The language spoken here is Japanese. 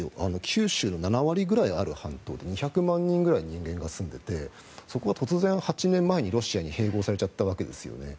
九州の７割ぐらいある半島で２００万人ぐらい人間が住んでいてそこが突然８年前にロシアに併合されちゃったわけですよね。